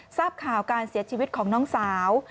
ทราบข่าวการเสียชีวิตของน้องสาว